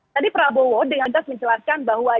tadi prabowo dengan gas menjelaskan bahwa